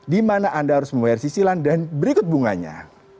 dimana anda harus membayar sisilan dan berikut bunganya